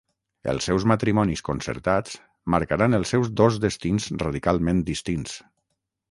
Els seus matrimonis concertats marcaran els seus dos destins radicalment distints.